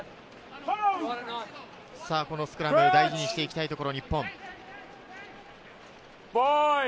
このスクラム、大事にしていきたいところ。